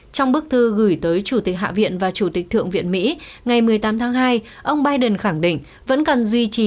trong bức thư gửi tới chủ tịch hạ viện và chủ tịch thượng viện mỹ ngày một mươi tám tháng hai ông biden khẳng định vẫn cần duy trì